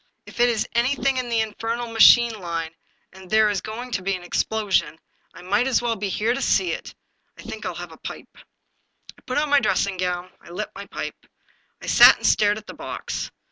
If it is anything in the infernal machine Hne, and there is going to be an explosion, I might as well be here to see it. I think I'll have a pipe." I put on my dressing gown. I lit my pipe. I sat and stared at the box.